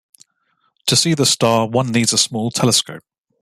To see the star one needs a small telescope.